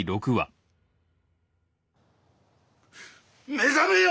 目覚めよ！